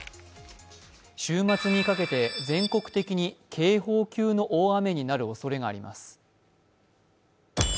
週末にかけて全国的に警報級の大雨になるおそれがあります。